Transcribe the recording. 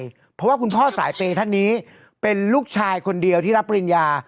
เพราะว่าคุณพ่อสายเปย์ท่านนี้เป็นลูกชายคนเดียวที่รับปริญญา